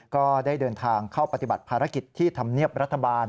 ก็ได้เดินทางเข้าปฏิบัติภารกิจที่ธรรมเนียบรัฐบาล